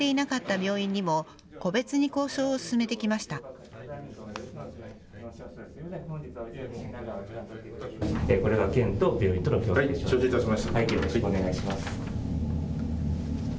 よろしくお願いします。